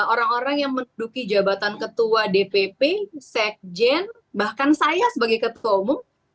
orang orang yang menduduki jabatan ketua dpp sekjen bahkan saya sebagai ketua umum